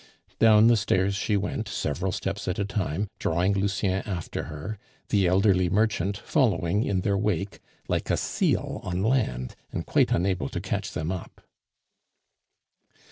Down the stairs she went, several steps at a time, drawing Lucien after her; the elderly merchant following in their wake like a seal on land, and quite unable to catch them up.